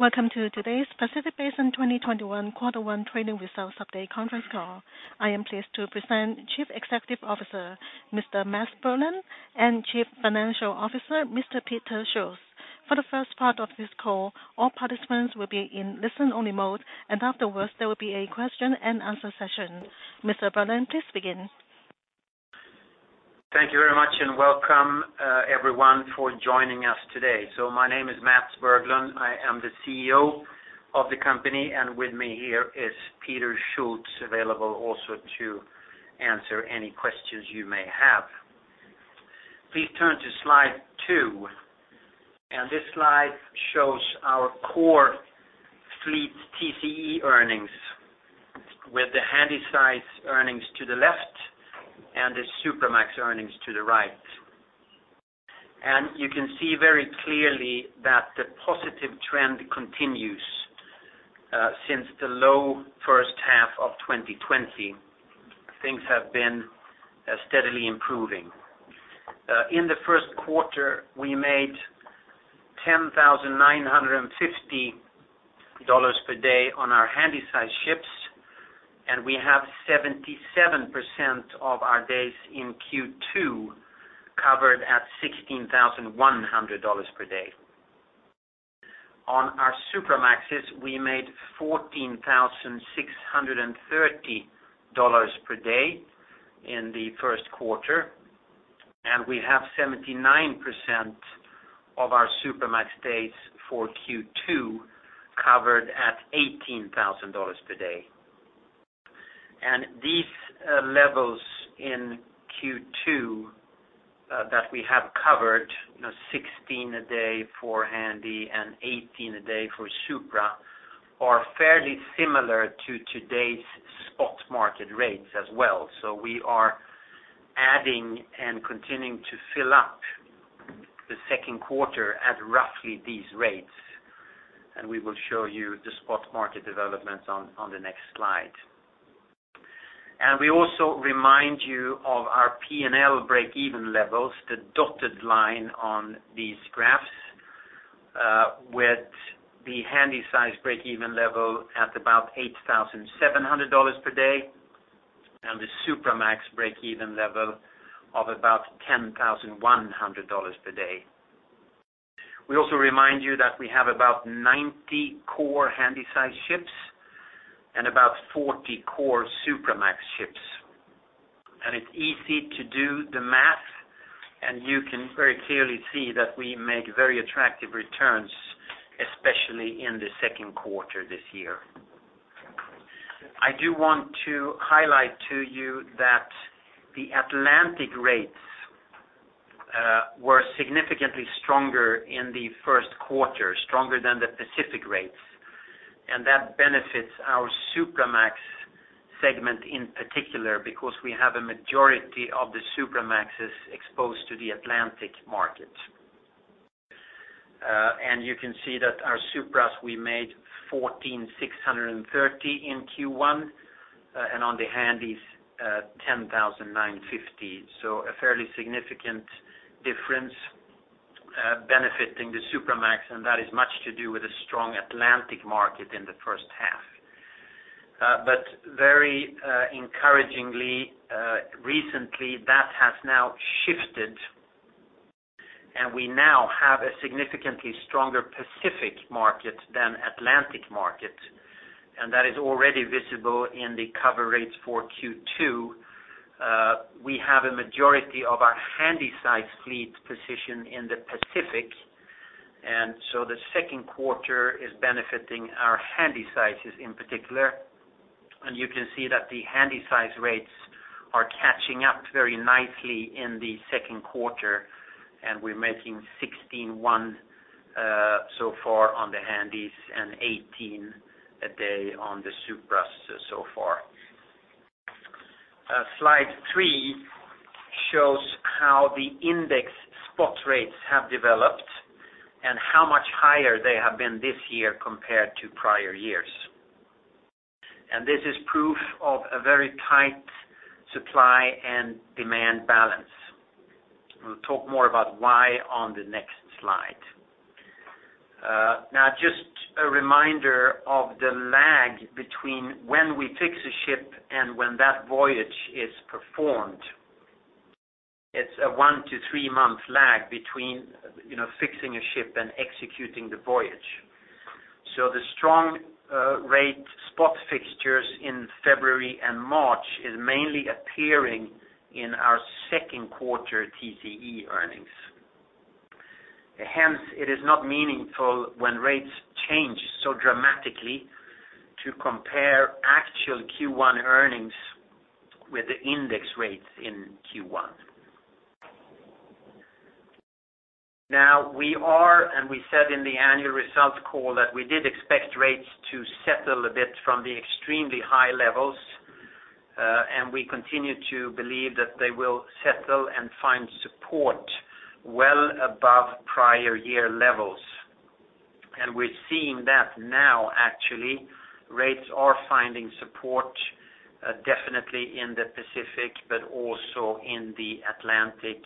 Welcome to today's Pacific Basin 2021 quarter one trading results update conference call. I am pleased to present Chief Executive Officer, Mr. Mats Berglund, and Chief Financial Officer, Mr. Peter Schulz. For the first part of this call, all participants will be in listen-only mode, and afterwards there will be a question-and-answer session. Mr. Berglund, please begin. Thank you very much, and welcome, everyone, for joining us today. My name is Mats Berglund, I am the CEO of the company, and with me here is Peter Schulz, available also to answer any questions you may have. Please turn to slide two. This slide shows our core fleet TCE earnings, with the Handysize earnings to the left and the Supramax earnings to the right. You can see very clearly that the positive trend continues. Since the low first half of 2020, things have been steadily improving. In the first quarter, we made $10,950 per day on our Handysize ships, and we have 77% of our days in Q2 covered at $16,100 per day. On our Supramaxes, we made $14,630 per day in the first quarter, and we have 79% of our Supramax days for Q2 covered at $18,000 per day. These levels in Q2 that we have covered, 16 a day for Handy and 18 a day for Supra, are fairly similar to today's spot market rates as well. We are adding and continuing to fill up the second quarter at roughly these rates, and we will show you the spot market developments on the next slide. We also remind you of our P&L break-even levels, the dotted line on these graphs, with the Handysize break-even level at about $8,700 per day and the Supramax break-even level of about $10,100 per day. We also remind you that we have about 90 core Handysize ships and about 40 core Supramax ships. It's easy to do the math, and you can very clearly see that we make very attractive returns, especially in the second quarter this year. I do want to highlight to you that the Atlantic rates were significantly stronger in the first quarter, stronger than the Pacific rates. That benefits our Supramax segment in particular, because we have a majority of the Supramaxes exposed to the Atlantic market. You can see that our Supras, we made $14,630 in Q1, and on the Handys, $10,950. A fairly significant difference benefiting the Supramax, and that is much to do with the strong Atlantic market in the first half. Very encouragingly, recently, that has now shifted, and we now have a significantly stronger Pacific market than Atlantic market, and that is already visible in the cover rates for Q2. We have a majority of our Handysize fleet positioned in the Pacific, the second quarter is benefiting our Handysizes in particular. You can see that the Handysize rates are catching up very nicely in the second quarter, and we're making $16.1 so far on the Handys and $18 a day on the Supras so far. Slide three shows how the index spot rates have developed and how much higher they have been this year compared to prior years. This is proof of a very tight supply and demand balance. We'll talk more about why on the next slide. Just a reminder of the lag between when we fix a ship and when that voyage is performed. It's a one to three-month lag between fixing a ship and executing the voyage. The strong rate spot fixtures in February and March is mainly appearing in our second quarter TCE earnings. It is not meaningful when rates change so dramatically to compare actual Q1 earnings with the index rates in Q1. Now, we're, and we said in the annual results call that we did expect rates to settle a bit from the extremely high levels. We continue to believe that they will settle and find support well above prior year levels. We are seeing that now, actually. Rates are finding support, definitely in the Pacific, also in the Atlantic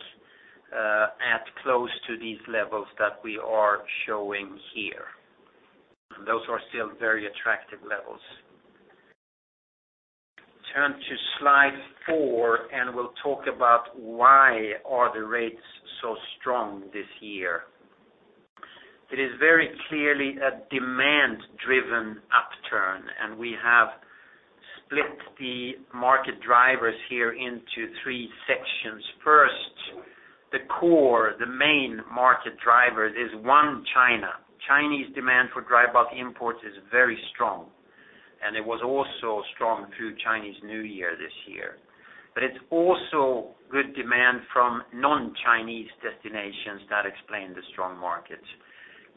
at close to these levels that we are showing here. Those are still very attractive levels. Turn to slide four. We'll talk about why are the rates so strong this year. It is very clearly a demand-driven upturn. We have split the market drivers here into three sections. First, the core, the main market driver is, one, China. Chinese demand for dry bulk imports is very strong. It was also strong through Chinese New Year this year. It's also good demand from non-Chinese destinations that explain the strong markets.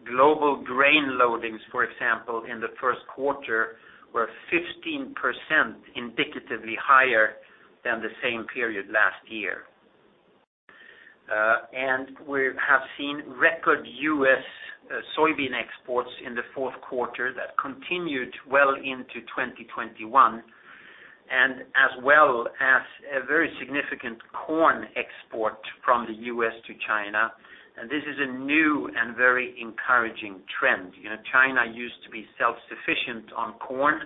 Global grain loadings, for example, in the first quarter, were 15% indicatively higher than the same period last year. We have seen record U.S. soybean exports in the fourth quarter that continued well into 2021, and as well as a very significant corn export from the U.S. to China. This is a new and very encouraging trend. China used to be self-sufficient on corn,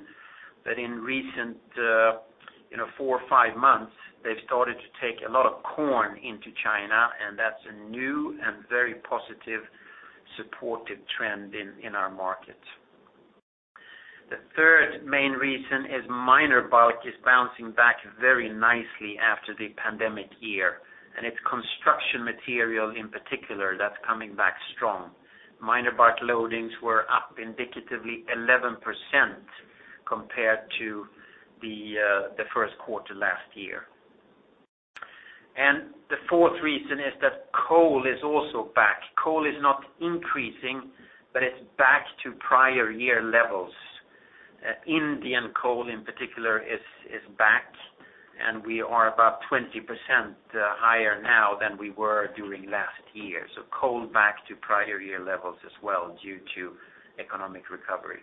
but in recent four or five months, they've started to take a lot of corn into China, and that's a new and very positive supportive trend in our market. The third main reason is minor bulk is bouncing back very nicely after the pandemic year, and it's construction material in particular that's coming back strong. Minor bulk loadings were up indicatively 11% compared to the first quarter last year. The fourth reason is that coal is also back. Coal is not increasing, but it's back to prior year levels. Indian coal, in particular, is back, and we are about 20% higher now than we were during last year. Coal back to prior year levels as well due to economic recovery.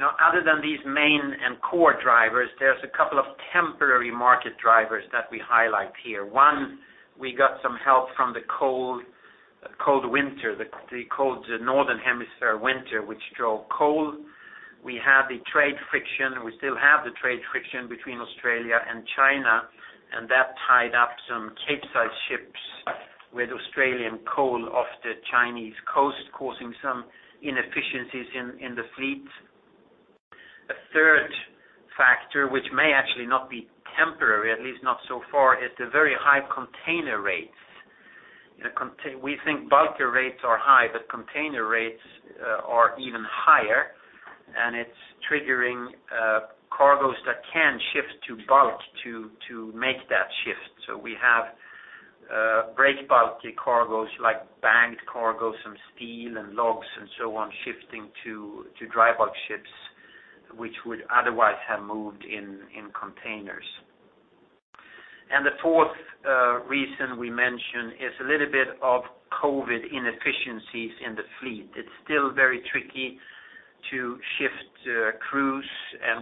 Other than these main and core drivers, there's a couple of temporary market drivers that we highlight here. One, we got some help from the cold winter, the cold northern hemisphere winter, which drove coal. We had the trade friction. We still have the trade friction between Australia and China, and that tied up some Capesize ships with Australian coal off the Chinese coast, causing some inefficiencies in the fleet. A third factor, which may actually not be temporary, at least not so far, is the very high container rates. We think bulker rates are high, but container rates are even higher, and it's triggering cargoes that can shift to bulk to make that shift. We have breakbulk cargoes like bagged cargoes, some steel and logs and so on, shifting to dry bulk ships, which would otherwise have moved in containers. The fourth reason we mention is a little bit of COVID inefficiencies in the fleet. It's still very tricky to shift crews.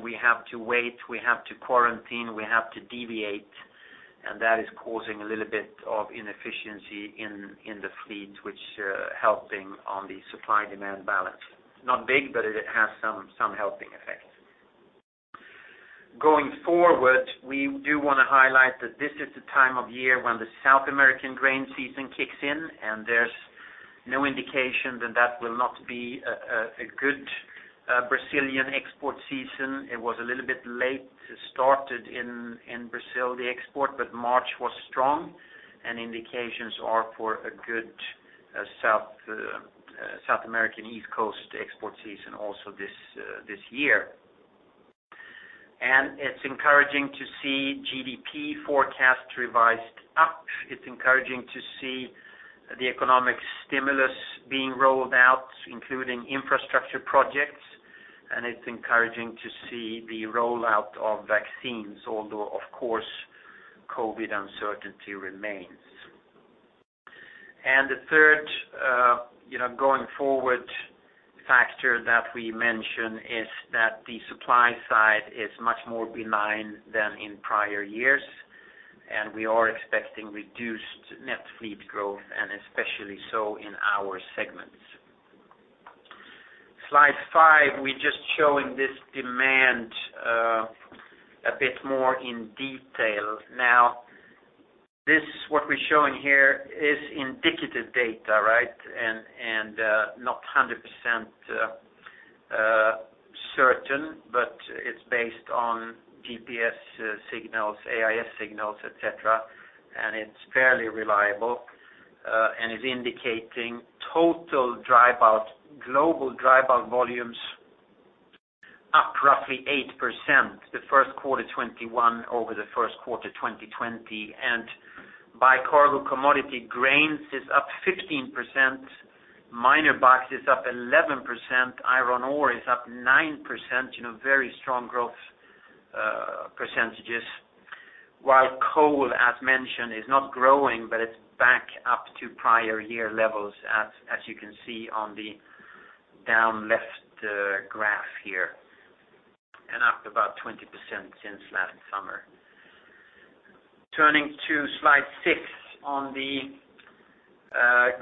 We have to wait, we have to quarantine, we have to deviate. That is causing a little bit of inefficiency in the fleet, which helping on the supply-demand balance. Not big, but it has some helping effect. Going forward, we do want to highlight that this is the time of year when the South American grain season kicks in. There's no indication that that will not be a good Brazilian export season. It was a little bit late to started in Brazil, the export, but March was strong. Indications are for a good South American East Coast export season also this year. It's encouraging to see GDP forecast revised up. It's encouraging to see the economic stimulus being rolled out, including infrastructure projects. It's encouraging to see the rollout of vaccines, although, of course, COVID uncertainty remains. The third going forward factor that we mention is that the supply side is much more benign than in prior years, and we are expecting reduced net fleet growth, and especially so in our segments. Slide five, we're just showing this demand a bit more in detail. This, what we're showing here is indicative data, right? Not 100% certain, but it's based on GPS signals, AIS signals, etc, and it's fairly reliable and is indicating total global dry bulk volumes up roughly 8% the first quarter 2021 over the first quarter 2020. By cargo commodity, grains is up 15%, minor bulk is up 11%, iron ore is up 9%, very strong growth percentages. While coal, as mentioned, is not growing, but it's back up to prior year levels, as you can see on the down left graph here. About 20% since last summer. Turning to slide six on the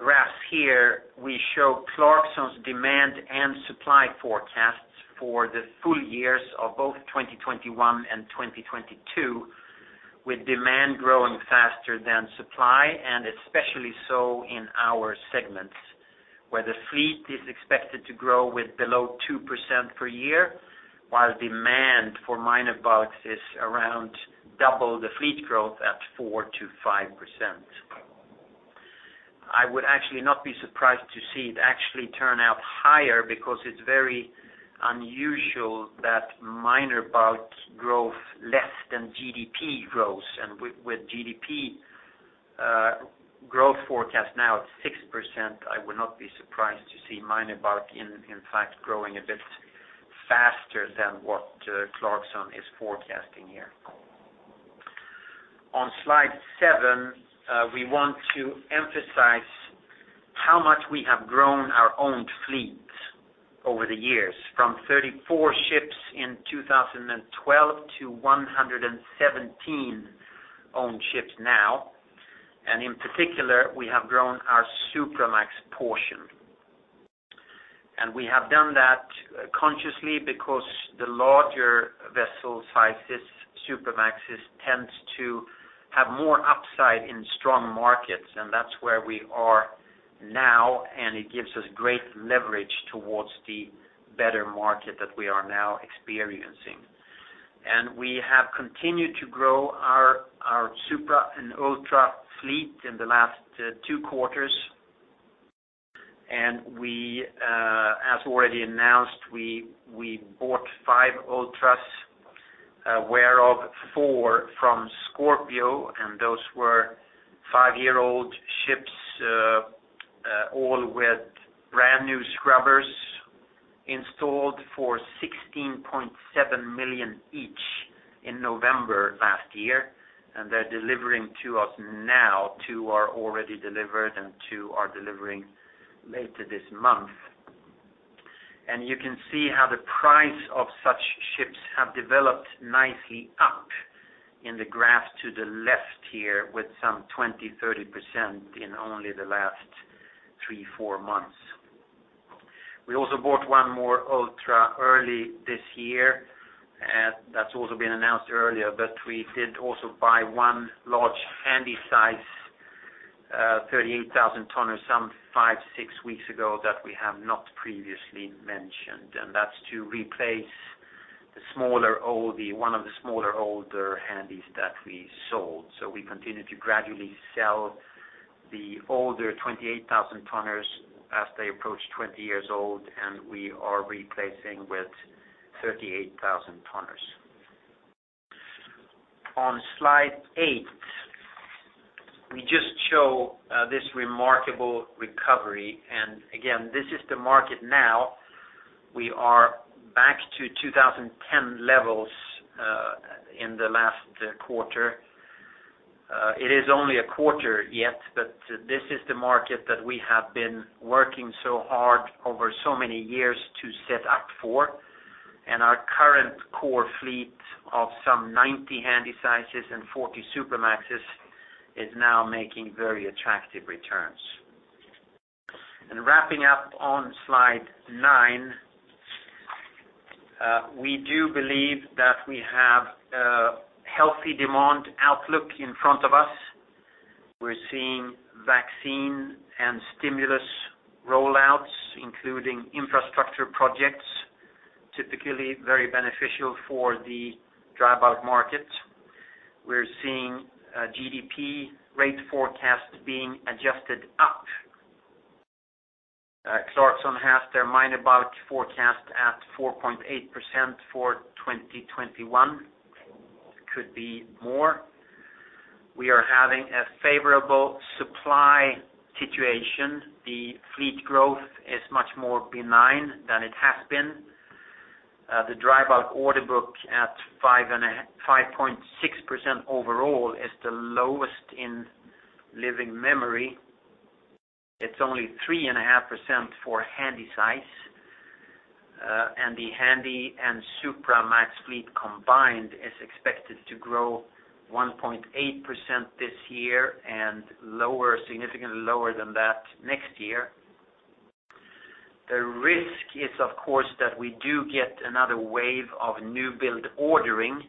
graphs here, we show Clarksons demand and supply forecasts for the full years of both 2021 and 2022, with demand growing faster than supply, and especially so in our segments, where the fleet is expected to grow with below 2% per year, while demand for minor bulks is around double the fleet growth at 4%-5%. I would actually not be surprised to see it actually turn out higher because it's very unusual that minor bulk growth less than GDP growth. With GDP growth forecast now at 6%, I would not be surprised to see minor bulk, in fact, growing a bit faster than what Clarksons is forecasting here. On slide seven, we want to emphasize how much we have grown our owned fleet over the years, from 34 ships in 2012 to 117 owned ships now. In particular, we have grown our Supramax portion. We have done that consciously because the larger vessel sizes, Supramaxes, tends to have more upside in strong markets, and that's where we are now, and it gives us great leverage towards the better market that we are now experiencing. We have continued to grow our Supra and Ultra fleet in the last two quarters. As already announced, we bought five Ultras, whereof four from Scorpio, and those were five-year-old ships, all with brand new scrubbers installed for $16.7 million each in November last year. They're delivering to us now. Two are already delivered, and two are delivering later this month. You can see how the price of such ships have developed nicely up in the graph to the left here with some 20%, 30% in only the last three, four months. We also bought one more Ultra early this year, that's also been announced earlier, but we did also buy one large Handysize, 38,000-tonner some five to six weeks ago that we have not previously mentioned, and that's to replace one of the smaller, older Handys that we sold. We continue to gradually sell the older 28,000-tonners as they approach 20 years old, and we are replacing with 38,000-tonners. On slide eight, we just show this remarkable recovery. Again, this is the market now. We are back to 2010 levels, in the last quarter. It is only a quarter yet, but this is the market that we have been working so hard over so many years to set up for. Our current core fleet of some 90 Handysizes and 40 Supramaxes is now making very attractive returns. Wrapping up on slide nine, we do believe that we have a healthy demand outlook in front of us. We are seeing vaccine and stimulus roll-outs, including infrastructure projects, typically very beneficial for the dry bulk market. We are seeing GDP rate forecast being adjusted up. Clarksons have their minor bulk forecast at 4.8% for 2021. Could be more. We are having a favorable supply situation. The fleet growth is much more benign than it has been. The dry bulk order book at 5.6% overall is the lowest in living memory. It is only 3.5% for Handysize. The Handy and Supramax fleet combined is expected to grow 1.8% this year and significantly lower than that next year. The risk is, of course, that we do get another wave of new build ordering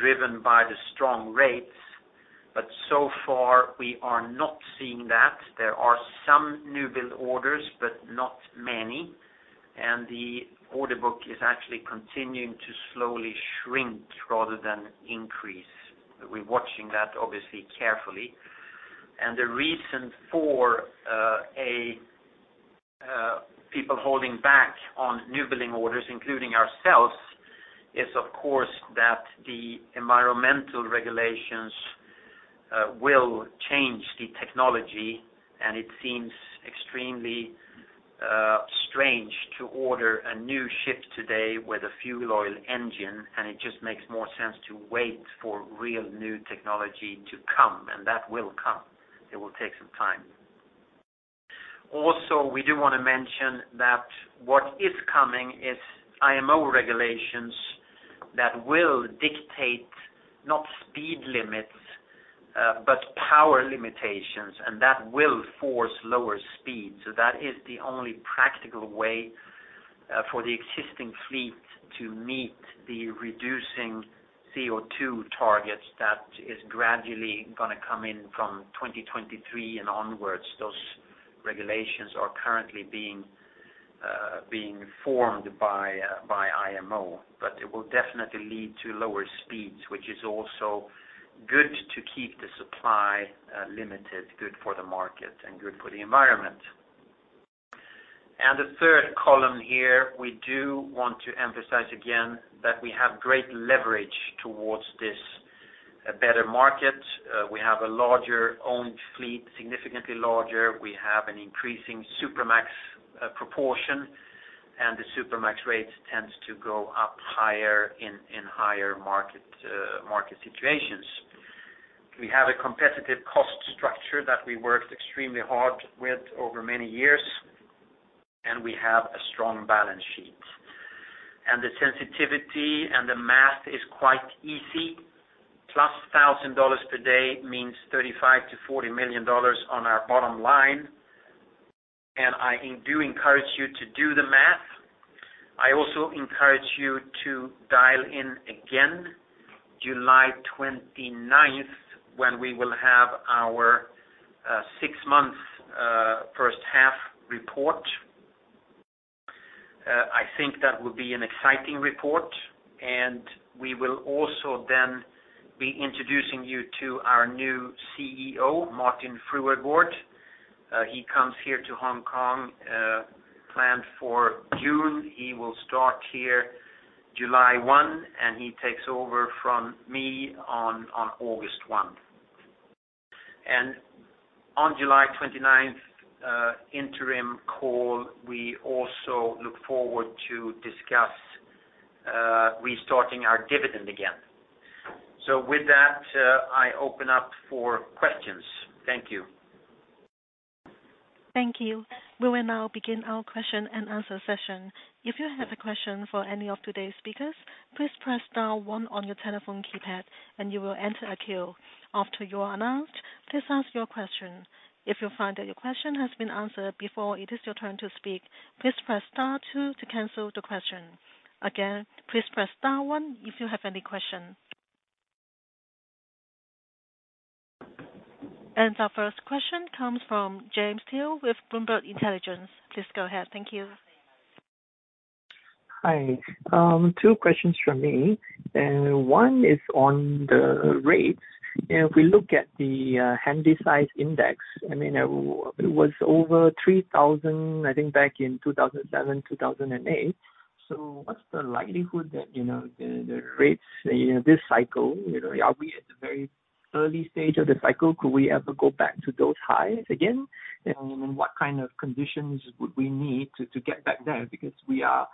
driven by the strong rates. So far, we are not seeing that. There are some new build orders, but not many. The order book is actually continuing to slowly shrink rather than increase. We're watching that obviously carefully. The reason for people holding back on new building orders, including ourselves, is, of course, that the environmental regulations will change the technology. It seems extremely strange to order a new ship today with a fuel oil engine. It just makes more sense to wait for real new technology to come. That will come. It will take some time. Also, we do want to mention that what is coming is IMO regulations that will dictate not speed limits, but power limitations. That will force lower speed. That is the only practical way for the existing fleet to meet the reducing CO2 targets that is gradually going to come in from 2023 and onwards. Those regulations are currently being formed by IMO, it will definitely lead to lower speeds, which is also good to keep the supply limited, good for the market, and good for the environment. The third column here, we do want to emphasize again that we have great leverage towards this better market. We have a larger owned fleet, significantly larger. We have an increasing Supramax proportion, the Supramax rates tends to go up higher in higher market situations. We have a competitive cost structure that we worked extremely hard with over many years, we have a strong balance sheet. The sensitivity and the math is quite easy. $+1,000 per day means $35 million-$40 million on our bottom line, I do encourage you to do the math. I also encourage you to dial in again July 29th, when we will have our six months first half report. I think that will be an exciting report. We will also then be introducing you to our new CEO, Martin Fruergaard. He comes here to Hong Kong, planned for June. He will start here July 1. He takes over from me on August 1. On July 29th, interim call, we also look forward to discuss restarting our dividend again. With that, I open up for questions. Thank you. Thank you. We will now begin our question-and-answer session. If you have a question for any of today's speakers, please press star one on your telephone keypad and you will enter a queue. After you are announced, please ask your question. If you find that your question has been answered before it is your turn to speak, please press star two to cancel the question. Again, please press star one if you have any question. Our first question comes from James Hill with Bloomberg Intelligence. Please go ahead. Thank you. Hi. Two questions from me, one is on the rates. If we look at the Handysize index, it was over 3,000, I think, back in 2007, 2008. What's the likelihood that the rates, this cycle, are we at the very early stage of the cycle? Could we ever go back to those highs again? What kind of conditions would we need to get back there? Because we are,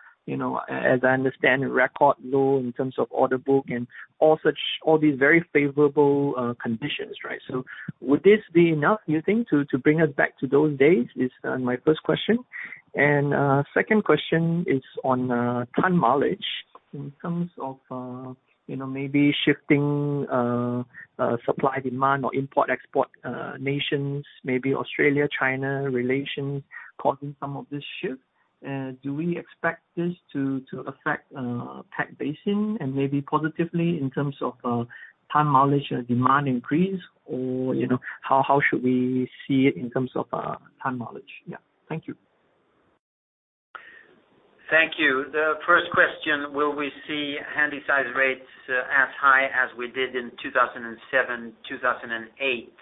as I understand, record low in terms of order book and all these very favorable conditions, right? Would this be enough, you think, to bring us back to those days, is my first question. Second question is on ton mileage in terms of maybe shifting supply, demand, or import, export, nations, maybe Australia, China relations causing some of this shift. Do we expect this to affect Pacific Basin and maybe positively in terms of ton mileage demand increase, or how should we see it in terms of ton mileage? Yeah. Thank you. Thank you. The first question, will we see Handysize rates as high as we did in 2007, 2008?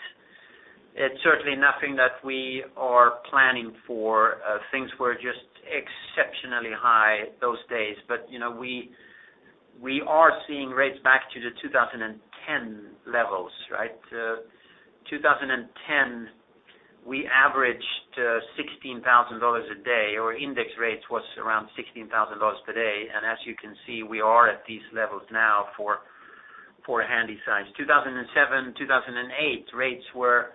It's certainly nothing that we are planning for. Things were just exceptionally high those days. We are seeing rates back to the 2010 levels, right? 2010, we averaged $16,000 a day, or index rates was around $16,000 per day. As you can see, we are at these levels now for Handysize. 2007, 2008 rates were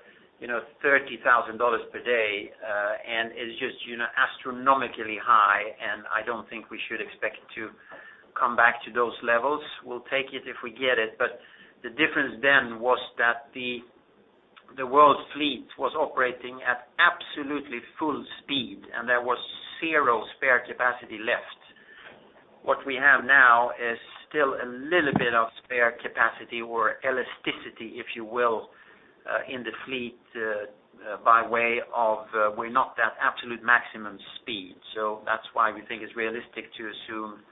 $30,000 per day. It's just astronomically high, and I don't think we should expect to come back to those levels. We'll take it if we get it. The difference then was that the world's fleet was operating at absolutely full speed, and there was zero spare capacity left. What we have now is still a little bit of spare capacity or elasticity, if you will, in the fleet, by way of we're not at absolute maximum speed. That's why we think it's realistic to assume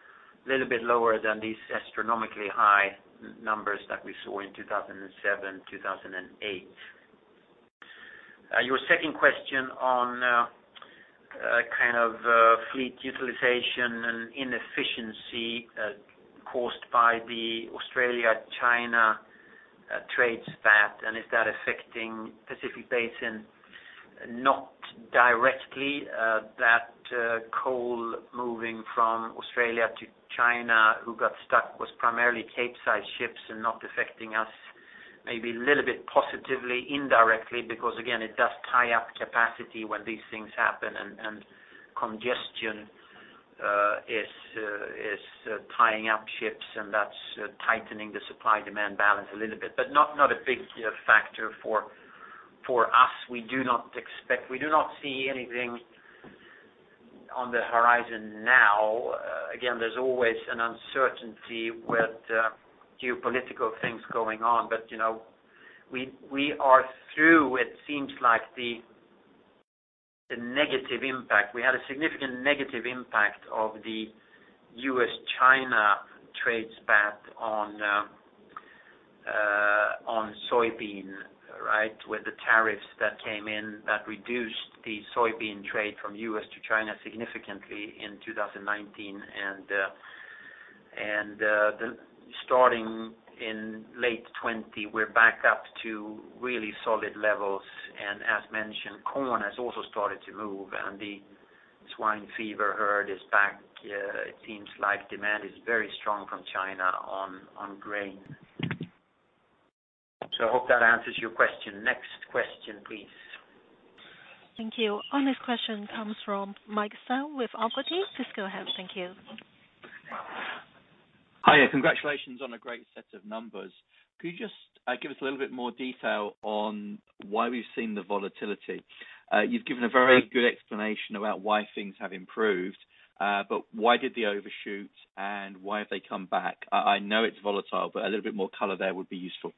a little bit lower than these astronomically high numbers that we saw in 2007, 2008. Your second question on fleet utilization and inefficiency caused by the Australia, China trade spat, and is that affecting Pacific Basin? Not directly. That coal moving from Australia to China who got stuck was primarily Capesize ships and not affecting us. Maybe a little bit positively indirectly, because again, it does tie up capacity when these things happen and congestion is tying up ships, and that's tightening the supply-demand balance a little bit. Not a big factor for us. We do not see anything on the horizon now. Again, there's always an uncertainty with geopolitical things going on. We are through, it seems like, the negative impact. We had a significant negative impact of the U.S.-China trade spat on soybean. With the tariffs that came in, that reduced the soybean trade from U.S. to China significantly in 2019. Starting in late 2020, we're back up to really solid levels. As mentioned, corn has also started to move, and the swine fever herd is back. It seems like demand is very strong from China on grain. I hope that answers your question. Next question, please. Thank you. Our next question comes from Mike Stone with Aquati. Please go ahead. Thank you. Hi. Congratulations on a great set of numbers. Could you just give us a little bit more detail on why we've seen the volatility? You've given a very good explanation about why things have improved. Why did they overshoot, and why have they come back? I know it's volatile, a little bit more color there would be useful.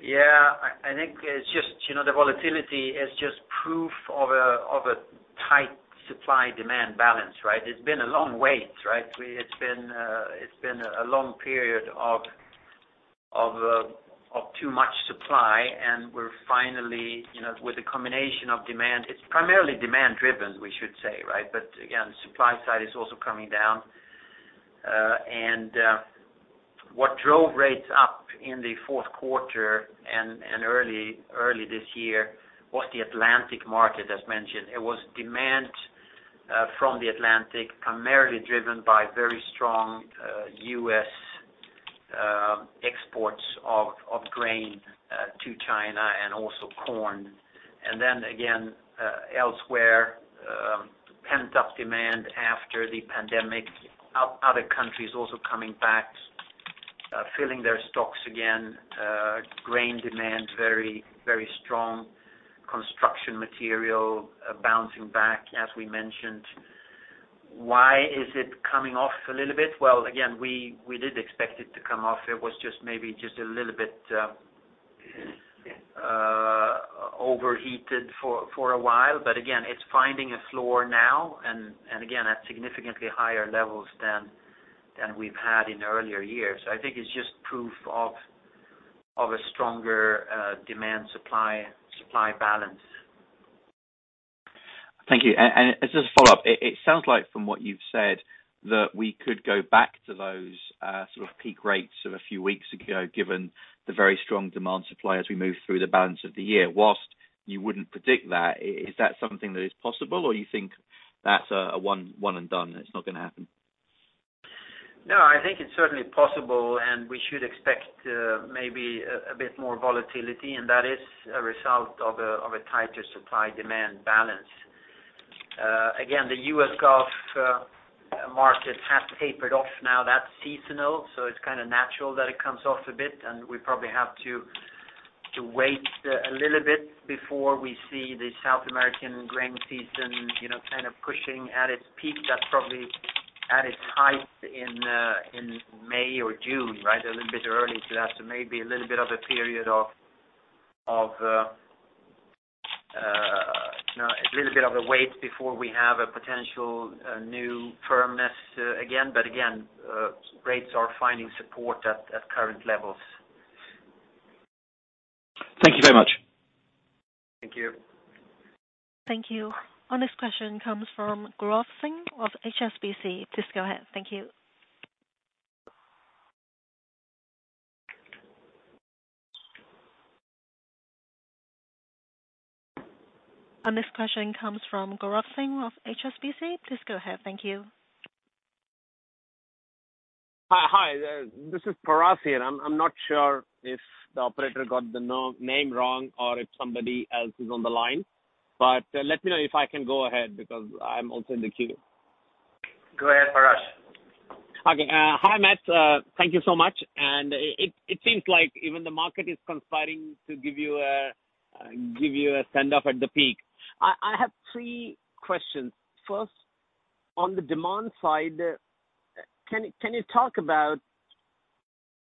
Yeah. I think the volatility is just proof of a tight supply-demand balance. It's been a long wait. It's been a long period of too much supply, and we're finally, with the combination of demand, it's primarily demand-driven, we should say. Again, supply side is also coming down. What drove rates up in the fourth quarter and early this year was the Atlantic market, as mentioned. It was demand from the Atlantic, primarily driven by very strong U.S. exports of grain to China and also corn. Again, elsewhere, pent-up demand after the pandemic. Other countries also coming back, filling their stocks again. Grain demand, very strong. Construction material bouncing back, as we mentioned. Why is it coming off a little bit? Well, again, we did expect it to come off. It was just maybe a little bit overheated for a while. Again, it's finding a floor now, and again, at significantly higher levels than we've had in earlier years. I think it's just proof of a stronger demand supply balance. Thank you. As a follow-up, it sounds like from what you've said that we could go back to those sort of peak rates of a few weeks ago, given the very strong demand supply as we move through the balance of the year. While you wouldn't predict that, is that something that is possible or you think that's a one and done, it's not going to happen? I think it's certainly possible, and we should expect maybe a bit more volatility, and that is a result of a tighter supply-demand balance. The U.S. Gulf market has tapered off now. That's seasonal, so it's kind of natural that it comes off a bit, and we probably have to wait a little bit before we see the South American grain season kind of pushing at its peak. That's probably at its height in May or June. A little bit early to that, so maybe a little bit of a wait before we have a potential new firmness again. Rates are finding support at current levels. Thank you very much. Thank you. Thank you. Our next question comes from Gorak Singh of HSBC. Please go ahead. Thank you. Hi. This is Parash here. I'm not sure if the operator got the name wrong or if somebody else is on the line. Let me know if I can go ahead because I'm also in the queue. Go ahead, Parash. Okay. Hi, Mats. Thank you so much. It seems like even the market is conspiring to give you a send-off at the peak. I have three questions. First, on the demand side, can you talk about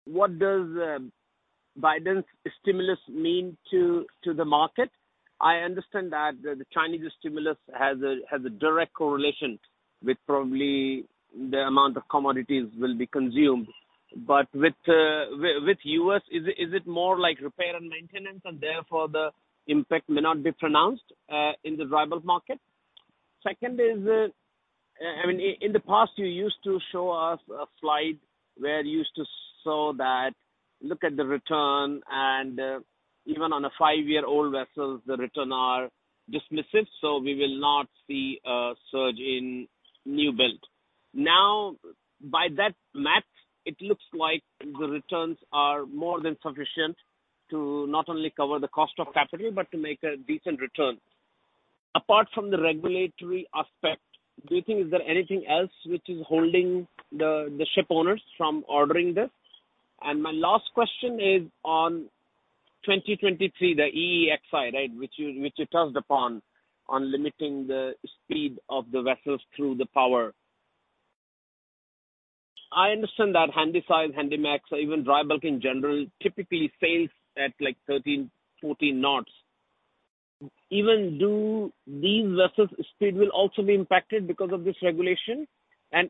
what does Biden's stimulus mean to the market? I understand that the Chinese stimulus has a direct correlation with probably the amount of commodities will be consumed. With U.S., is it more like repair and maintenance and therefore the impact may not be pronounced in the dry bulk market? Second is, in the past you used to show us a slide where you used to show that, look at the return and even on a five-year-old vessel, the return are dismissive, so we will not see a surge in new build. Now, by that math, it looks like the returns are more than sufficient to not only cover the cost of capital but to make a decent return. Apart from the regulatory aspect, do you think is there anything else which is holding the ship owners from ordering this? My last question is on 2023, the EEXI, which you touched upon on limiting the speed of the vessels through the power. I understand that Handysize, Handymax, or even dry bulk in general, typically sails at 13, 14 knots. Even do these vessels speed will also be impacted because of this regulation?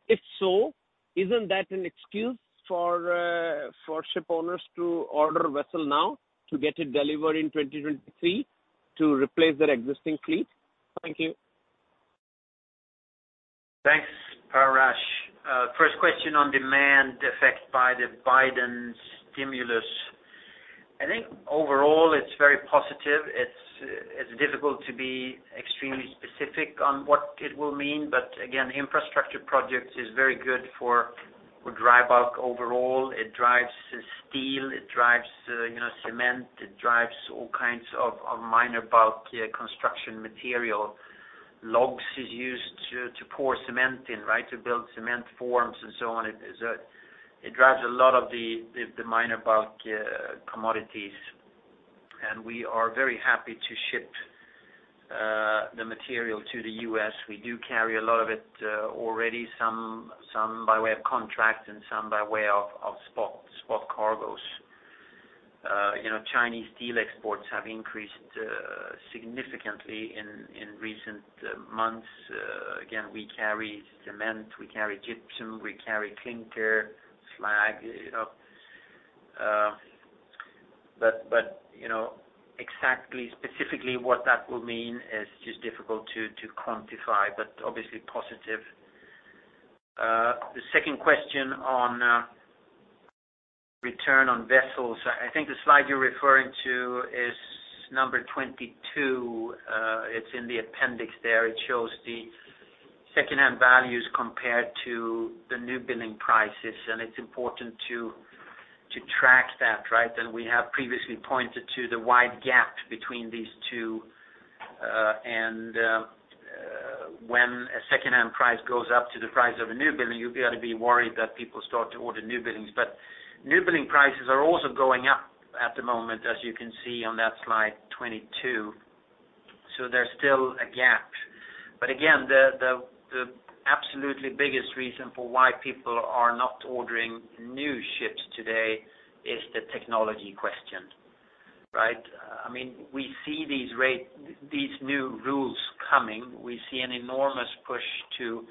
If so, isn't that an excuse for ship owners to order a vessel now to get it delivered in 2023 to replace their existing fleet? Thank you. Thanks, Parash. First question on demand effect by the Biden stimulus. I think overall it's very positive. It's difficult to be extremely specific on what it will mean, but again, infrastructure projects is very good for dry bulk overall. It drives steel, it drives cement, it drives all kinds of minor bulk construction material. Logs is used to pour cement in, to build cement forms and so on. It drives a lot of the minor bulk commodities. We are very happy to ship the material to the U.S. We do carry a lot of it already, some by way of contract and some by way of spot cargoes. Chinese steel exports have increased significantly in recent months. Again, we carry cement, we carry gypsum, we carry clinker, slag. Exactly specifically what that will mean is just difficult to quantify, but obviously positive. The second question on return on vessels. I think the slide you're referring to is number 22. It's in the appendix there. It shows the secondhand values compared to the new building prices, and it's important to track that, right? We have previously pointed to the wide gap between these two. When a secondhand price goes up to the price of a new building, you've got to be worried that people start to order new buildings. New building prices are also going up at the moment, as you can see on that slide 22, so there's still a gap. Again, the absolutely biggest reason for why people are not ordering new ships today is the technology question, right? We see these new rules coming. We see an enormous push to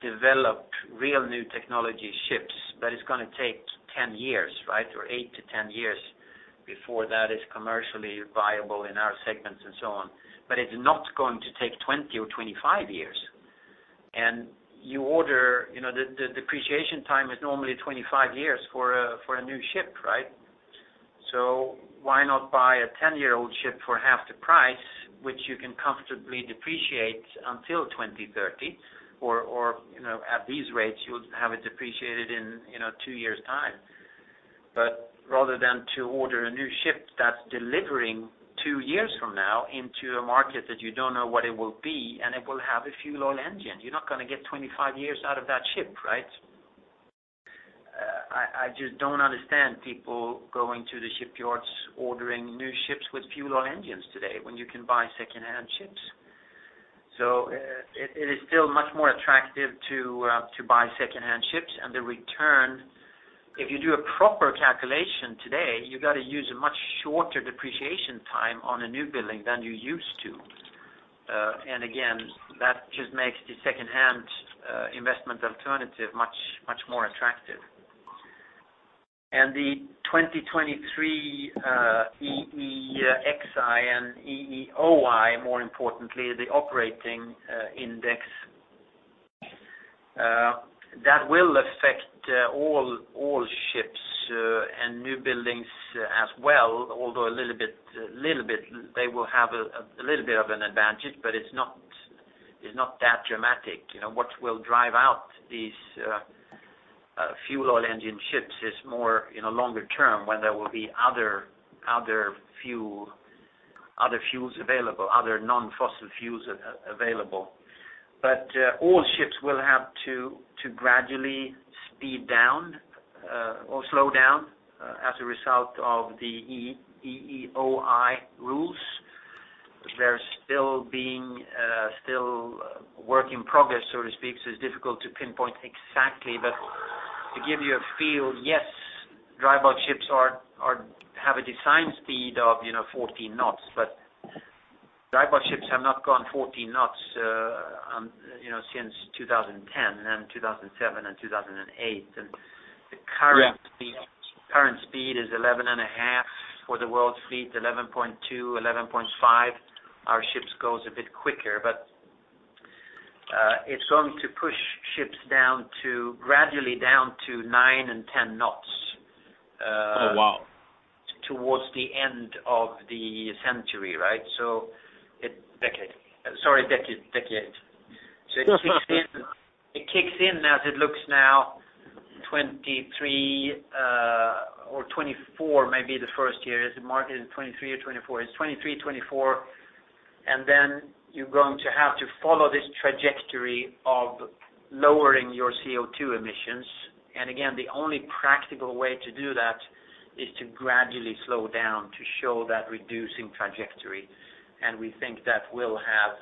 develop real new technology ships, but it's going to take 10 years. 8-10 years before that is commercially viable in our segments and so on. It's not going to take 20 or 25 years. The depreciation time is normally 25 years for a new ship. Why not buy a 10-year-old ship for half the price, which you can comfortably depreciate until 2030? At these rates, you would have it depreciated in two years' time. Rather than to order a new ship that's delivering two years from now into a market that you don't know what it will be, and it will have a fuel oil engine. You're not going to get 25 years out of that ship, right? I just don't understand people going to the shipyards ordering new ships with fuel oil engines today when you can buy secondhand ships. It is still much more attractive to buy secondhand ships. The return, if you do a proper calculation today, you got to use a much shorter depreciation time on a new building than you used to. Again, that just makes the secondhand investment alternative much more attractive. The 2023 EEXI and EEOI, more importantly, the operating index, that will affect all ships and new buildings as well, although they will have a little bit of an advantage, but it's not that dramatic. What will drive out these fuel oil engine ships is more in a longer term when there will be other fuels available, other non-fossil fuels available. All ships will have to gradually speed down or slow down as a result of the EEOI rules. They're still work in progress, so to speak, so it's difficult to pinpoint exactly. To give you a feel, yes, dry bulk ships have a design speed of 14 knots, but dry bulk ships have not gone 14 knots since 2010 and 2007 and 2008. The current speed is 11.5 for the world's fleet, 11.2, 11.5. Our ships goes a bit quicker, but it's going to push ships gradually down to nine and 10 knots- Oh, wow. ...towards the end of the century, sorry, decade. It kicks in, as it looks now, 2023 or 2024 may be the first year. Is it marked as 2023 or 2024? It's 2023, 2024, and then you're going to have to follow this trajectory of lowering your CO2 emissions. Again, the only practical way to do that is to gradually slow down to show that reducing trajectory. We think that will have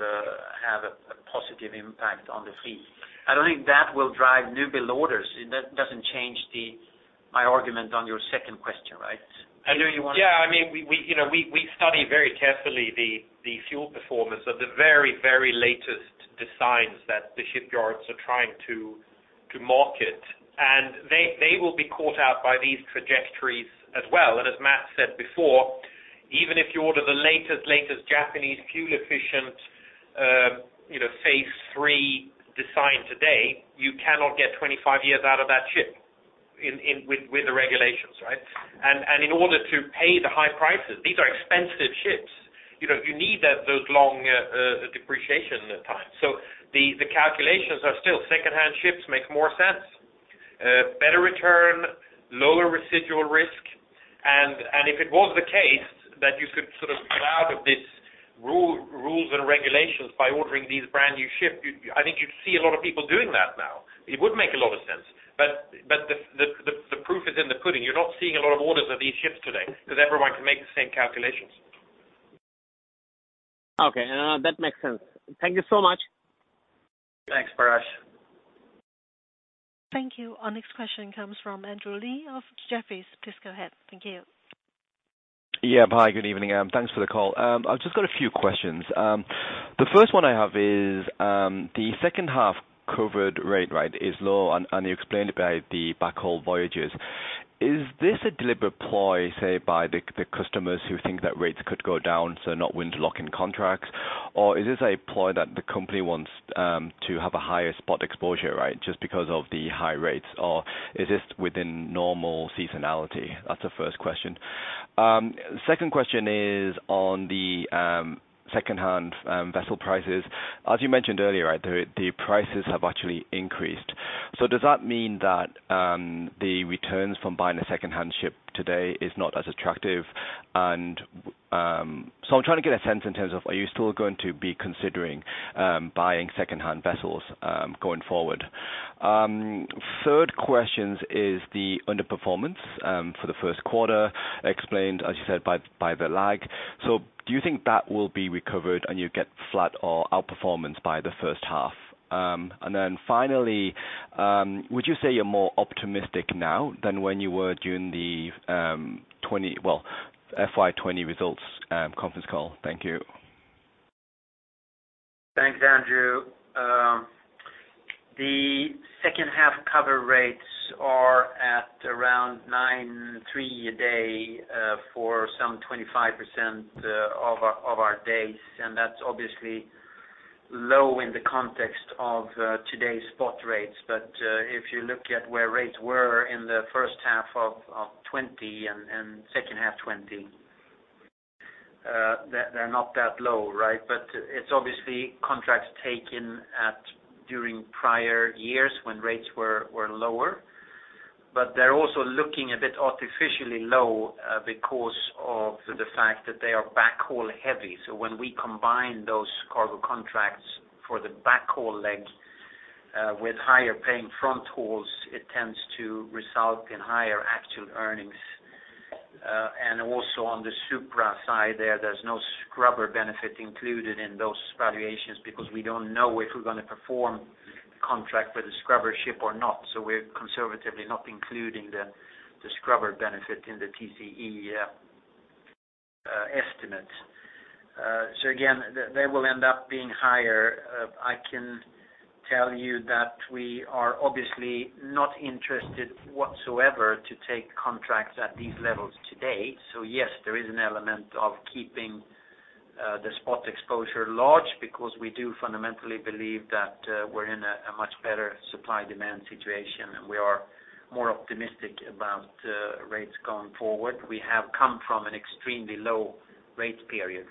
a positive impact on the fleet. I don't think that will drive newbuild orders. That doesn't change my argument on your second question, right? I know you want to- Yeah. We study very carefully the fuel performance of the very latest designs that the shipyards are trying to market, and they will be caught out by these trajectories as well. As Mats said before, even if you order the latest Japanese fuel-efficient, phase III design today, you cannot get 25 years out of that ship with the regulations, right? In order to pay the high prices, these are expensive ships, you need those long depreciation times. The calculations are still secondhand ships make more sense, better return, lower residual risk, and if it was the case that you could get out of these rules and regulations by ordering these brand new ships, I think you'd see a lot of people doing that now. It would make a lot of sense. The proof is in the pudding. You're not seeing a lot of orders of these ships today because everyone can make the same calculations. Okay. No, that makes sense. Thank you so much. Thanks, Parash. Thank you. Our next question comes from Andrew Lee of Jefferies. Please go ahead. Thank you. Hi, good evening. Thanks for the call. I've just got a few questions. The first one I have is, the second half covered rate is low. You explained by the backhaul voyages. Is this a deliberate ploy, say, by the customers who think that rates could go down, so not willing to lock in contracts? Is this a ploy that the company wants to have a higher spot exposure, just because of the high rates? Is this within normal seasonality? That's the first question. Second question is on the secondhand vessel prices. As you mentioned earlier, the prices have actually increased. Does that mean that the returns from buying a secondhand ship today is not as attractive? I'm trying to get a sense in terms of, are you still going to be considering buying secondhand vessels going forward? Third question is the underperformance for the first quarter explained, as you said, by the lag. Do you think that will be recovered and you get flat or outperformance by the first half? Finally, would you say you're more optimistic now than when you were during the FY 2020 results conference call? Thank you Thanks, Andrew. The second half cover rates are at around $9.3 a day for some 25% of our days, that's obviously low in the context of today's spot rates. If you look at where rates were in the first half of 2020 and second half 2020, they're not that low. It's obviously contracts taken during prior years when rates were lower. They're also looking a bit artificially low because of the fact that they are backhaul heavy. When we combine those cargo contracts for the backhaul leg with higher paying front hauls, it tends to result in higher actual earnings. Also on the Supra side there's no scrubber benefit included in those valuations because we don't know if we're going to perform contract with a scrubber ship or not. We're conservatively not including the scrubber benefit in the TCE estimate. Again, they will end up being higher. I can tell you that we are obviously not interested whatsoever to take contracts at these levels today. Yes, there is an element of keeping the spot exposure large because we do fundamentally believe that we're in a much better supply-demand situation, and we are more optimistic about rates going forward. We have come from an extremely low rate period.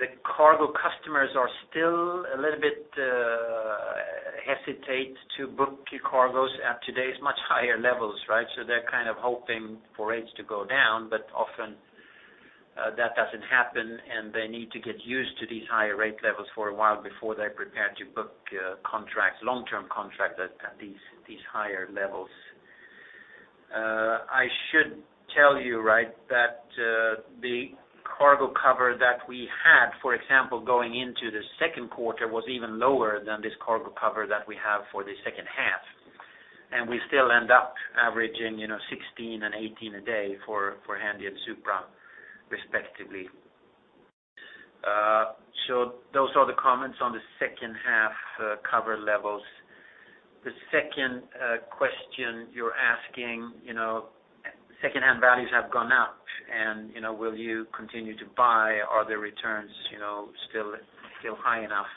The cargo customers are still a little bit hesitant to book cargoes at today's much higher levels. They're kind of hoping for rates to go down, but often that doesn't happen, and they need to get used to these higher rate levels for a while before they're prepared to book long-term contracts at these higher levels. I should tell you that the cargo cover that we had, for example, going into the second quarter, was even lower than this cargo cover that we have for the second half. We still end up averaging 16 and 18 a day for Handy and Supra respectively. Those are the comments on the second half cover levels. Second question you're asking, secondhand values have gone up, and will you continue to buy? Are the returns still high enough?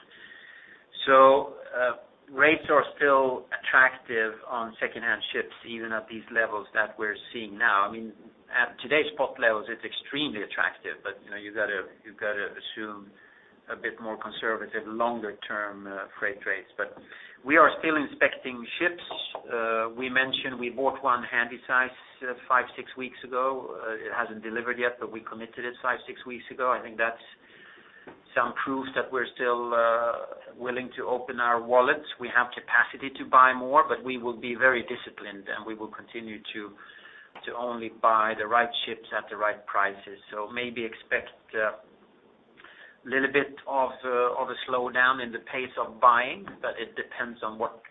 Rates are still attractive on secondhand ships, even at these levels that we're seeing now. At today's spot levels, it's extremely attractive, but you've got to assume a bit more conservative, longer-term freight rates. We are still inspecting ships. We mentioned we bought one Handysize five, six weeks ago. It hasn't delivered yet, but we committed it five, six weeks ago. I think that's some proof that we're still willing to open our wallets. We have capacity to buy more. We will be very disciplined, and we will continue to only buy the right ships at the right prices. Maybe expect a little bit of a slowdown in the pace of buying, but it depends on what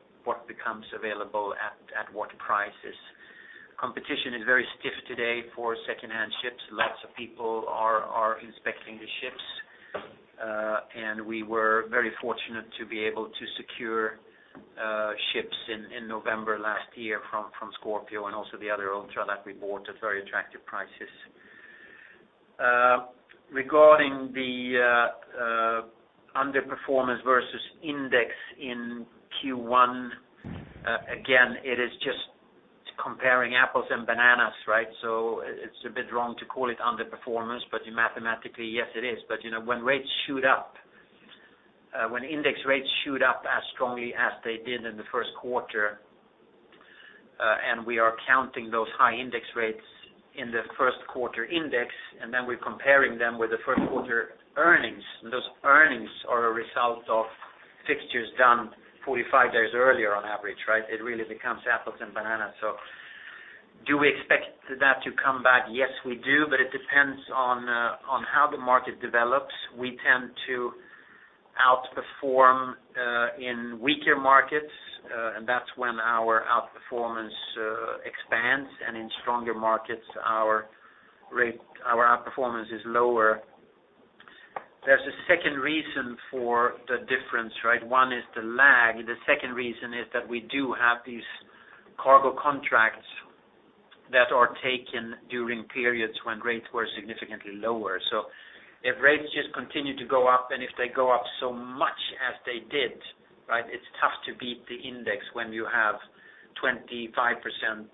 becomes available at what prices. Competition is very stiff today for secondhand ships. Lots of people are inspecting the ships. We were very fortunate to be able to secure ships in November last year from Scorpio and also the other Ultra that we bought at very attractive prices. Regarding the underperformance versus index in Q1, again, it is just comparing apples and bananas, right? It's a bit wrong to call it underperformance, but mathematically, yes, it is. When index rates shoot up as strongly as they did in the first quarter, and we are counting those high index rates in the first quarter index, and then we're comparing them with the first quarter earnings, and those earnings are a result of fixtures done 45 days earlier on average, right? It really becomes apples and bananas. Do we expect that to come back? Yes, we do, but it depends on how the market develops. We tend to outperform in weaker markets, and that's when our outperformance expands, and in stronger markets, our outperformance is lower. There's a second reason for the difference, right? One is the lag. The second reason is that we do have these cargo contracts that are taken during periods when rates were significantly lower. If rates just continue to go up, and if they go up so much as they did, right? It is tough to beat the index when you have 25%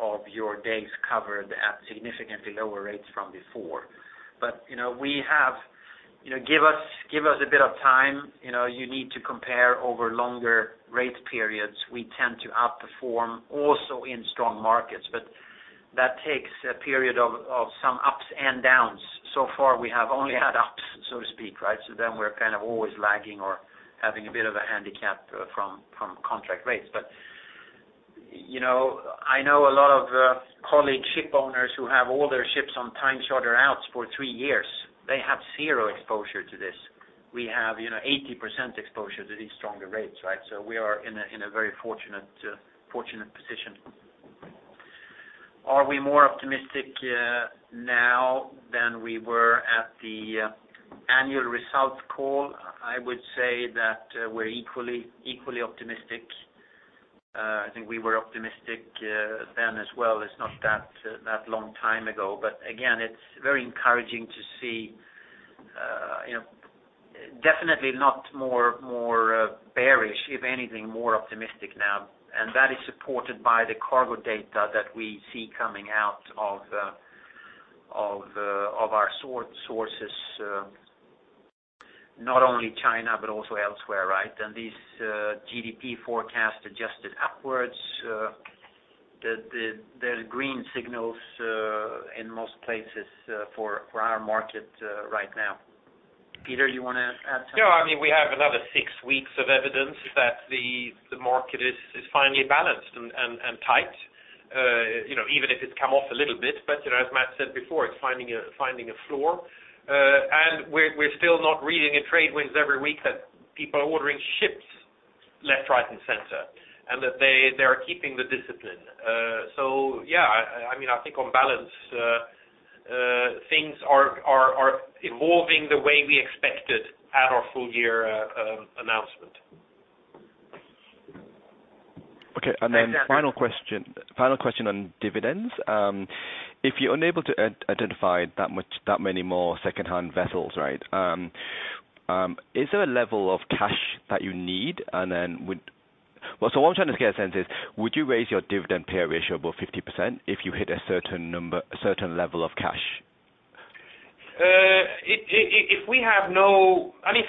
of your days covered at significantly lower rates from before. Give us a bit of time. You need to compare over longer rate periods. We tend to outperform also in strong markets, but that takes a period of some ups and downs. So far, we have only had ups, so to speak, right? Then we are kind of always lagging or having a bit of a handicap from contract rates. I know a lot of colleague ship owners who have all their ships on time charter outs for three years. They have zero exposure to this. We have 80% exposure to these stronger rates, right? We are in a very fortunate position. Are we more optimistic now than we were at the annual results call? I would say that we're equally optimistic. I think we were optimistic then as well. It's not that long time ago. Again, it's very encouraging to see, definitely not more bearish, if anything, more optimistic now. That is supported by the cargo data that we see coming out of our sources, not only China, but also elsewhere, right? These GDP forecasts adjusted upwards. There are green signals in most places for our market right now. Peter, you want to add something? No, we have another six weeks of evidence that the market is finally balanced and tight even if it's come off a little bit. As Mats said before, it's finding a floor. We're still not reading in TradeWinds every week that people are ordering ships left, right, and center, and that they are keeping the discipline. Yeah, I think on balance, things are evolving the way we expected at our full year announcement. Okay. Final question on dividends. If you're unable to identify that many more secondhand vessels, right? Is there a level of cash that you need? What I'm trying to get a sense is, would you raise your dividend payout ratio above 50% if you hit a certain level of cash?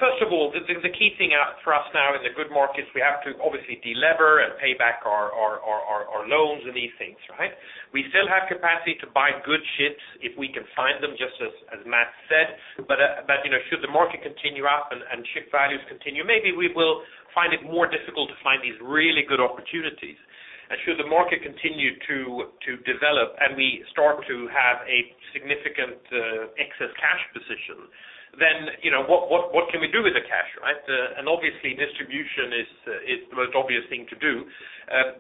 First of all, the key thing for us now in the good markets, we have to obviously delever and pay back our loans and these things, right? We still have capacity to buy good ships if we can find them, just as Mats said. Should the market continue up and ship values continue, maybe we will find it more difficult to find these really good opportunities. Should the market continue to develop and we start to have a significant excess cash position, then what can we do with the cash, right? Obviously, distribution is the most obvious thing to do.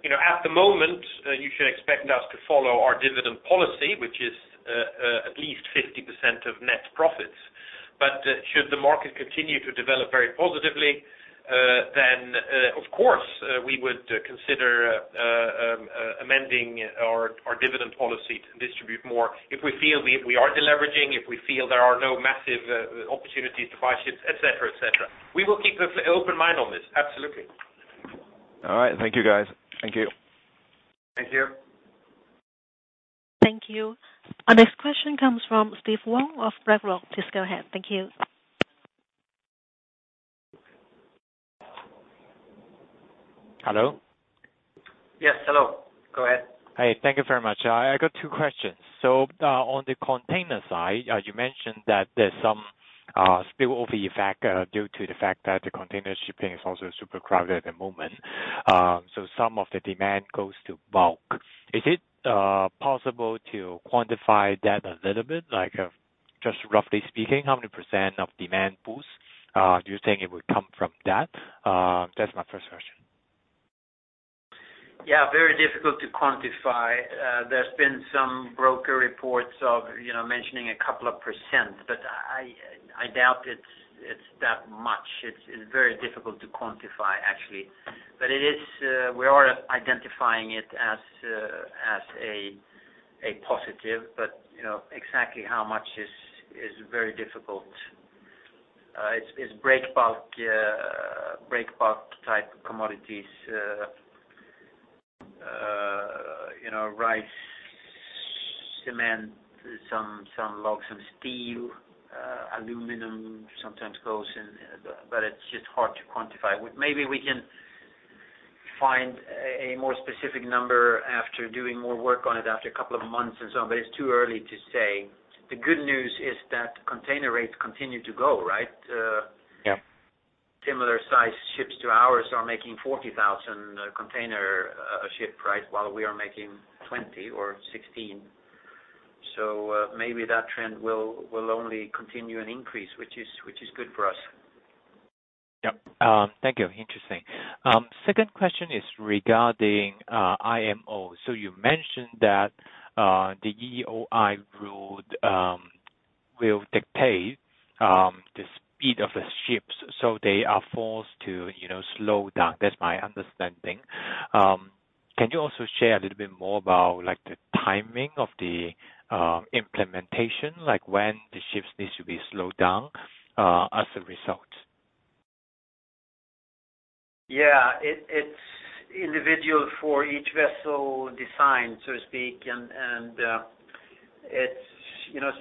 At the moment, you should expect us to follow our dividend policy, which is at least 50% of net profits. Should the market continue to develop very positively, then of course, we would consider amending our dividend policy to distribute more if we feel we are deleveraging, if we feel there are no massive opportunities to buy ships, etc. We will keep an open mind on this. Absolutely. All right. Thank you, guys. Thank you. Thank you. Thank you. Our next question comes from Steve Wong of BlackRock. Please go ahead. Thank you. Hello? Yes, hello. Go ahead. Hi. Thank you very much. I got two questions. On the container side, you mentioned that there's some spillover effect due to the fact that the container shipping is also super crowded at the moment. Some of the demand goes to bulk. Is it possible to quantify that a little bit? Just roughly speaking, how many percent of demand boost do you think it would come from that? That's my first question. Yeah. Very difficult to quantify. There's been some broker reports mentioning a couple of percent, but I doubt it's that much. It's very difficult to quantify actually. We are identifying it as a positive, but exactly how much is very difficult. It's break bulk type commodities, rice, cement, some logs, some steel, aluminum sometimes goes in, but it's just hard to quantify. Maybe we can find a more specific number after doing more work on it after a couple of months and so on. It's too early to say. The good news is that container rates continue to go, right? Yeah. Similar size ships to ours are making 40,000 container ship, right, while we are making 20 or 16. Maybe that trend will only continue and increase, which is good for us. Yep. Thank you. Interesting. Second question is regarding IMO. You mentioned that the EEOI route will dictate the speed of the ships so they are forced to slow down. That's my understanding. Can you also share a little bit more about the timing of the implementation, like when the ships need to be slowed down as a result? Yeah. It's individual for each vessel design, so to speak, and it's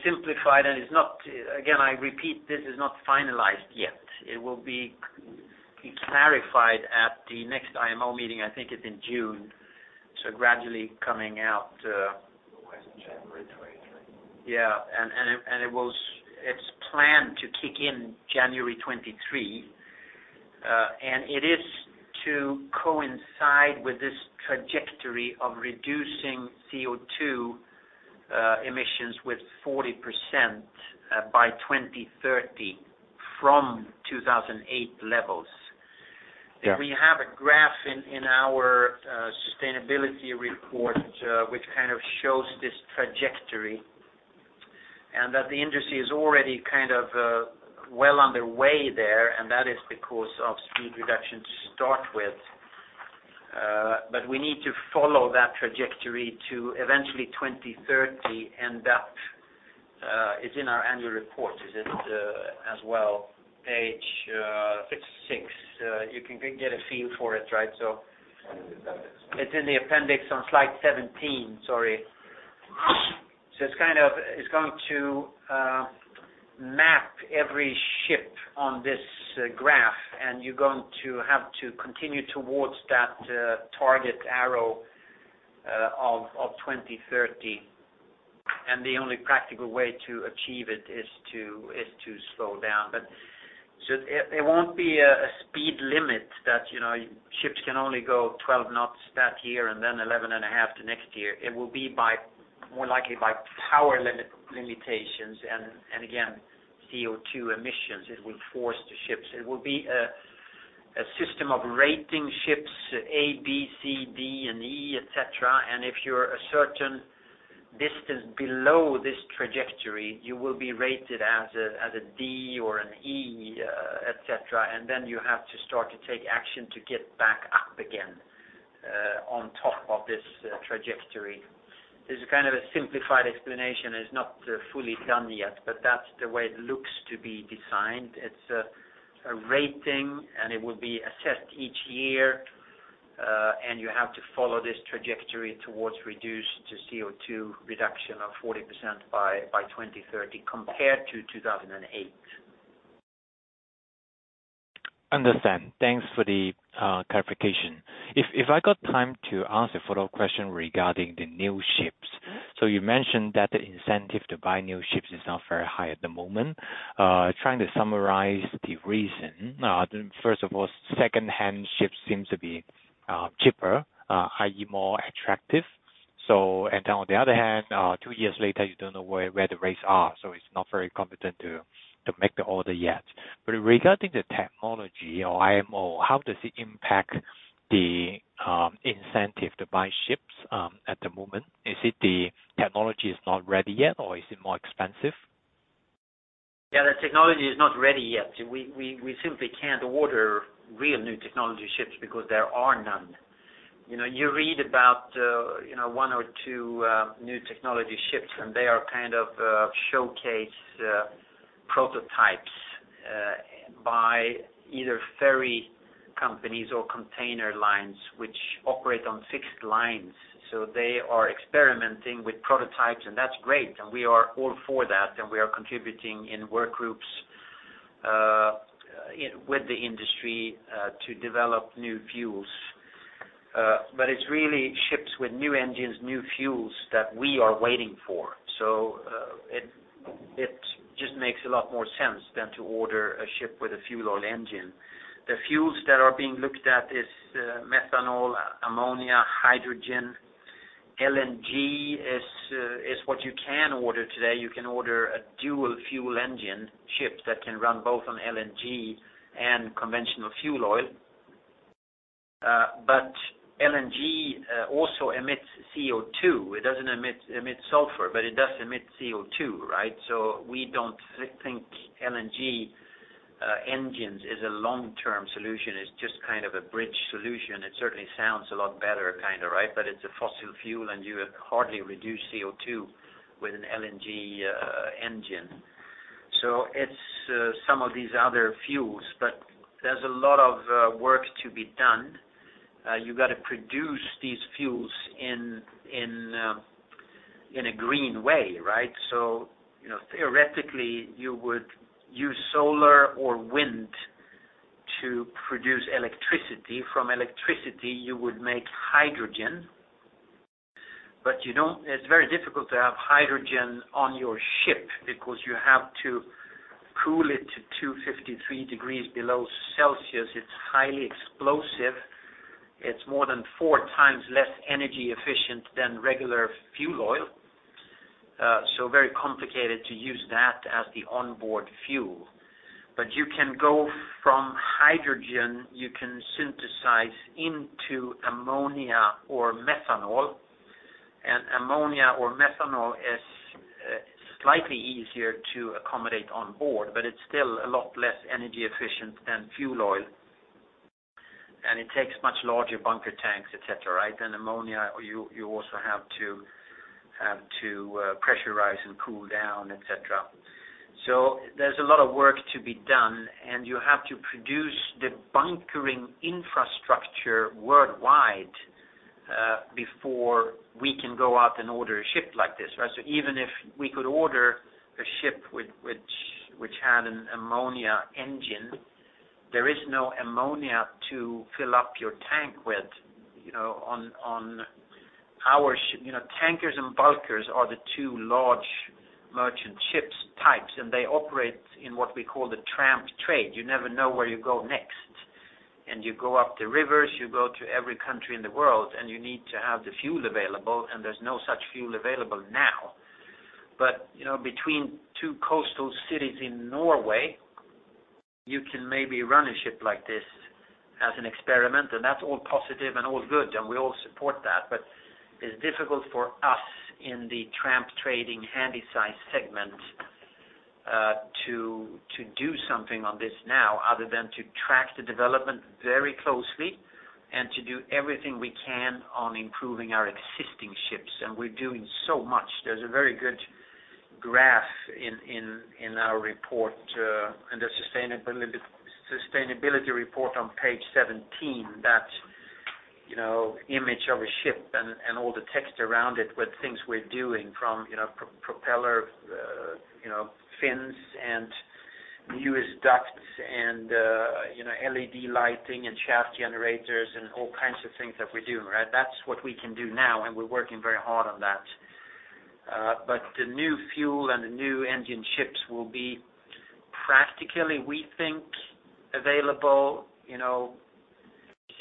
simplified and it's not, again, I repeat, this is not finalized yet. It will be clarified at the next IMO meeting, I think it's in June. January 2023. Yeah. It's planned to kick in January 2023. It is to coincide with this trajectory of reducing CO2 emissions with 40% by 2030 from 2008 levels. Yeah. We have a graph in our sustainability report which kind of shows this trajectory, and that the industry is already well underway there, and that is because of speed reduction to start with. We need to follow that trajectory to eventually 2030 and that is in our annual report. Is it, as well, page 56? You can get a feel for it, right? It's in the appendix. It's in the appendix on slide 17, sorry. It's going to map every ship on this graph, and you're going to have to continue towards that target arrow of 2030, and the only practical way to achieve it is to slow down. It won't be a speed limit that ships can only go 12 knots that year and then 11.5 the next year. It will be more likely by power limitations and again, CO2 emissions. It will force the ships. It will be a system of rating ships A, B, C, D, and E, etc, and if you're a certain distance below this trajectory, you will be rated as a D or an E, etc, and then you have to start to take action to get back up again, on top of this trajectory. This is kind of a simplified explanation, it's not fully done yet, but that's the way it looks to be designed. It's a rating, and it will be assessed each year, and you have to follow this trajectory towards CO2 reduction of 40% by 2030 compared to 2008. Understand. Thanks for the clarification. If I got time to ask a follow-up question regarding the new ships? You mentioned that the incentive to buy new ships is not very high at the moment. Trying to summarize the reason. First of all, second-hand ships seem to be cheaper, highly more attractive. On the other hand, two years later, you don't know where the rates are, so it's not very competent to make the order yet. Regarding the technology or IMO, how does it impact the incentive to buy ships at the moment? Is it the technology is not ready yet or is it more expensive? The technology is not ready yet. We simply can't order real new technology ships because there are none. You read about one or two new technology ships, and they are kind of showcase prototypes by either ferry companies or container lines, which operate on fixed lines. They are experimenting with prototypes, and that's great, and we are all for that, and we are contributing in work groups with the industry to develop new fuels. It's really ships with new engines, new fuels, that we are waiting for. It just makes a lot more sense than to order a ship with a fuel oil engine. The fuels that are being looked at is methanol, ammonia, hydrogen. LNG is what you can order today. You can order a dual fuel engine ship that can run both on LNG and conventional fuel oil. LNG also emits CO2. It doesn't emit sulfur, but it does emit CO2, right? We don't think LNG engines is a long-term solution. It's just kind of a bridge solution. It certainly sounds a lot better, kind of. It's a fossil fuel and you hardly reduce CO2 with an LNG engine. It's some of these other fuels, but there's a lot of work to be done. You've got to produce these fuels in a green way, right? Theoretically, you would use solar or wind to produce electricity. From electricity, you would make hydrogen. It's very difficult to have hydrogen on your ship because you have to cool it to 253 degrees below Celsius. It's highly explosive. It's more than four times less energy efficient than regular fuel oil. Very complicated to use that as the onboard fuel. You can go from hydrogen, you can synthesize into ammonia or methanol. Ammonia or methanol is slightly easier to accommodate on board, but it's still a lot less energy efficient than fuel oil, and it takes much larger bunker tanks, etc. Ammonia, you also have to pressurize and cool down, etc. There's a lot of work to be done, and you have to produce the bunkering infrastructure worldwide, before we can go out and order a ship like this, right? Even if we could order a ship which had an ammonia engine, there is no ammonia to fill up your tank with on our ship. Tankers and bulkers are the 2 large merchant ships types, and they operate in what we call the tramp trade. You never know where you go next. You go up the rivers, you go to every country in the world, and you need to have the fuel available, and there's no such fuel available now. Between two coastal cities in Norway, you can maybe run a ship like this as an experiment, and that's all positive and all good, and we all support that. It's difficult for us in the tramp trading, Handysize segment, to do something on this now other than to track the development very closely and to do everything we can on improving our existing ships. We're doing so much. There's a very good graph in our report, in the sustainability report on page 17, that image of a ship and all the text around it with things we're doing from propeller fins and new ducts and LED lighting and shaft generators and all kinds of things that we're doing. That's what we can do now, and we're working very hard on that. The new fuel and the new engine ships will be practically, we think, available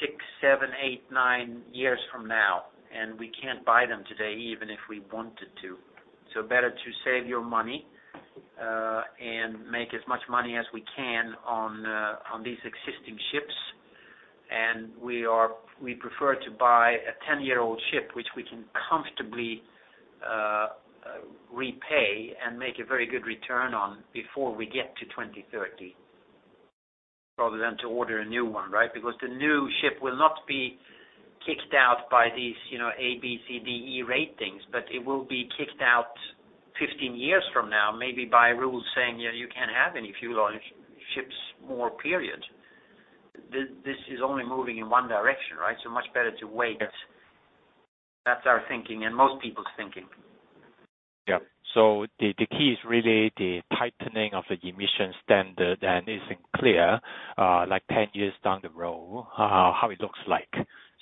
six, seven, eight, nine years from now, and we can't buy them today even if we wanted to. Better to save your money, and make as much money as we can on these existing ships. We prefer to buy a 10-year-old ship, which we can comfortably repay and make a very good return on before we get to 2030, rather than to order a new one, right? The new ship will not be kicked out by these A, B, C, D, E ratings, but it will be kicked out 15 years from now, maybe by rules saying, you can't have any fuel oil ships more, period. This is only moving in one direction, right? Much better to wait. That's our thinking and most people's thinking. Yeah. The key is really the tightening of the emissions standard, and isn't clear, like 10 years down the road, how it looks like.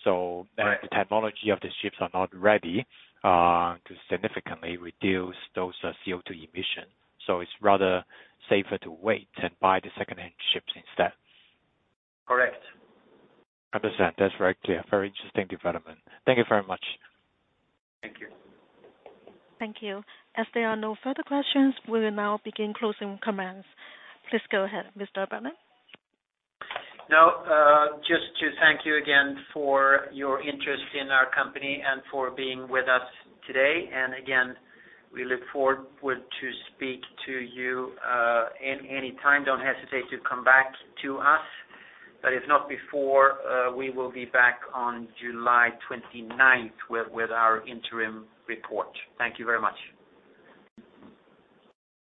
Right. The technology of the ships are not ready, to significantly reduce those CO2 emissions. It's rather safer to wait and buy the secondhand ships instead Correct. Understand. That's very clear. Very interesting development. Thank you very much. Thank you. Thank you. As there are no further questions, we will now begin closing comments. Please go ahead, Mr. Berglund. Now, just to thank you again for your interest in our company and for being with us today. Again, we look forward to speak to you, anytime. Don't hesitate to come back to us. If not before, we will be back on July 29th with our interim report. Thank you very much.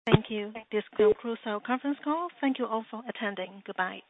Thank you. This will close our conference call. Thank you all for attending. Goodbye.